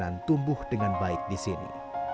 dan tumbuh dengan baik di sini